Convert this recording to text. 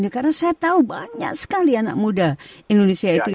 karena saya tahu banyak sekali anak muda indonesia itu